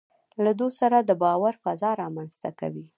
له دوی سره د باور فضا رامنځته کوي.